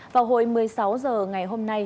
vào hồi một mươi sáu h ngày hôm nay